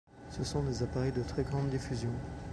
Ce sont des appareils de très grande diffusion.